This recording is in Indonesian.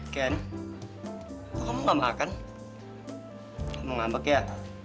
ken kok kamu gak makan kamu ngambek ya